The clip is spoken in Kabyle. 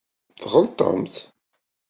Tɣelṭemt.